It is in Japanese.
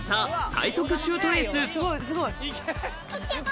最速シュートレースいけ！